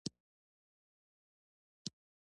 ایا زما کمزوري به ښه شي؟